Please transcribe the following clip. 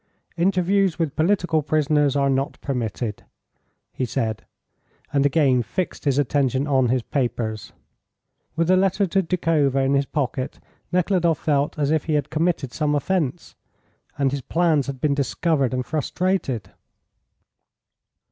"Interviews with political prisoners are not permitted," he said, and again fixed his attention on his papers. With a letter to Doukhova in his pocket, Nekhludoff felt as if he had committed some offence, and his plans had been discovered and frustrated.